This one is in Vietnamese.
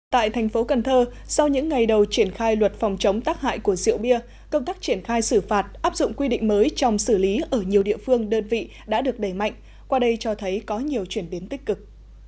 tại thành phố cần thơ sau những ngày đầu triển khai luật phòng chống tác hại của rượu bia công tác triển khai xử phạt áp dụng quy định mới trong xử lý ở nhiều địa phương đơn vị đã được đẩy mạnh qua đây cho thấy có nhiều chuyển biến tích cực